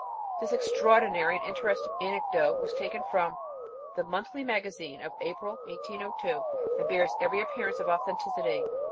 This extraordinary and interesting anecdote is taken from the "Monthly Magazine" of April, 1802, and bears every appearance of authenticity.